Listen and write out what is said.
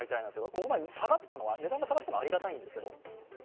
ここまで値段が下がったのはありがたいんですけど。